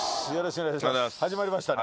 始まりましたね。